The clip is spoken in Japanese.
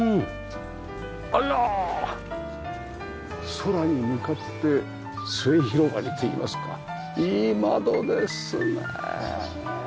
空に向かって末広がりといいますかいい窓ですね！